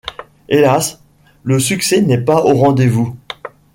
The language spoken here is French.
Hélas, le succès n'est pas au rendez-vous.